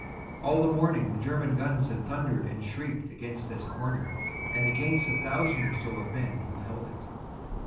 All the morning the German guns had thundered and shrieked against this corner, and against the thousand or so of men who held it.